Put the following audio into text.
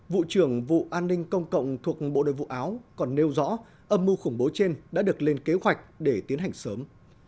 vụ trưởng vụ an ninh công cộng thuộc bộ đội vụ áo còn nêu rõ âm mưu khủng bố trên đã được lên kế hoạch để tiến hành sớm